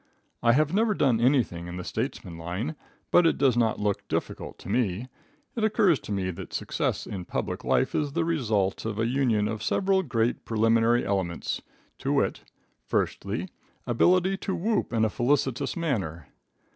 I have never done anything in the statesman line, but it does not look difficult to me. It occurs to me that success in public life is the result of a union of several great primary elements, to wit: Firstly Ability to whoop in a felicitous manner.